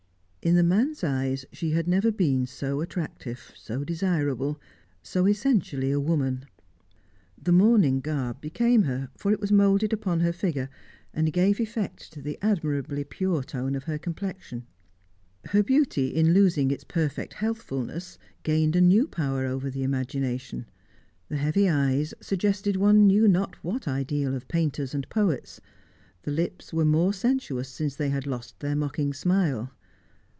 In the man's eyes she had never been so attractive, so desirable, so essentially a woman. The mourning garb became her, for it was moulded upon her figure, and gave effect to the admirably pure tone of her complexion. Her beauty, in losing its perfect healthfulness, gained a new power over the imagination; the heavy eyes suggested one knew not what ideal of painters and poets; the lips were more sensuous since they had lost their mocking smile.